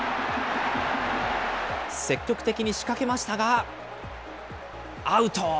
積極的に仕掛けましたが、アウト。